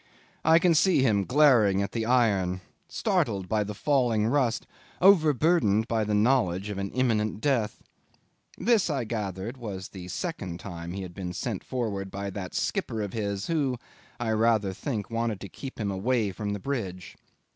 I can see him glaring at the iron, startled by the falling rust, overburdened by the knowledge of an imminent death. This, I gathered, was the second time he had been sent forward by that skipper of his, who, I rather think, wanted to keep him away from the bridge.